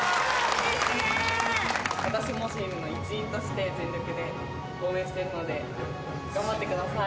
私もチームの一員として、全力で応援しているので、頑張ってください。